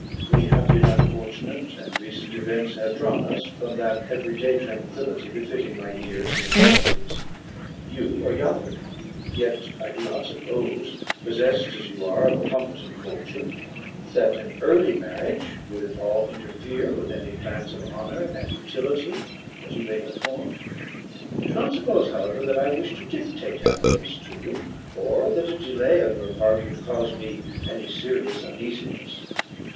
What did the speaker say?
We have been unfortunate, and recent events have drawn us from that every day tranquillity befitting my years and infirmities. You are younger; yet I do not suppose, possessed as you are of a competent fortune, that an early marriage would at all interfere with any future plans of honour and utility that you may have formed. Do not suppose, however, that I wish to dictate happiness to you, or that a delay on your part would cause me any serious uneasiness.